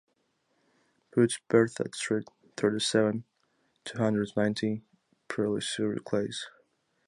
Puits Berthet street, thirty-seven, two hundred ninety, Preuilly-sur-Claise